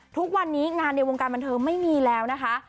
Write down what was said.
ทุกวันนี้งานในวงการบันเทิงไม่มีแล้วนะคะ